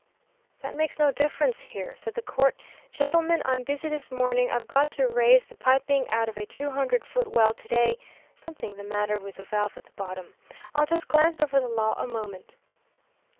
"'That makes no difference here,' said the court. 'Gentlemen, I'm busy this morning. I've got to raise the piping out of a two hundred foot well to day, something the matter with the valve at the bottom. I'll just glance over the law a moment.'